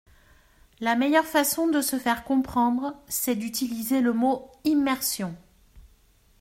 La meilleure façon de se faire comprendre, c’est d’utiliser le mot « immersion ».